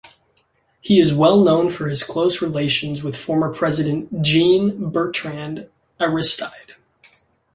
He is well known for his close relations with former President Jean-Bertrand Aristide.